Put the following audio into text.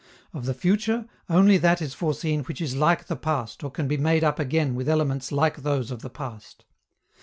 Of the future, only that is foreseen which is like the past or can be made up again with elements like those of the past.